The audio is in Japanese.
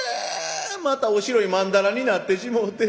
またおしろいまんだらになってしもうて。